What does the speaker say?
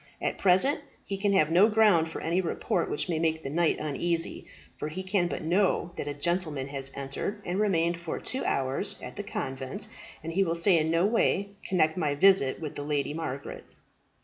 At present he can have no ground for any report which may make the knight uneasy, for he can but know that a gentleman has entered, and remained for two hours at the convent, and he will in no way connect my visit with the Lady Margaret."